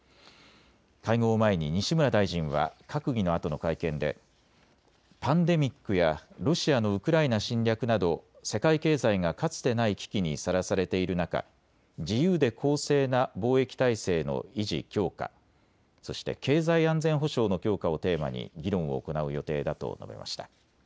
会合を前に西村大臣は閣議のあとの会見でパンデミックやロシアのウクライナ侵略など世界経済がかつてない危機にさらされている中、自由で公正な貿易体制の維持強化、そして経済安全保障の強化をテーマに議論を行う予定だと述べました。